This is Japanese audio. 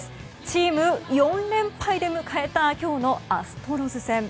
チーム４連敗で迎えた今日のアストロズ戦。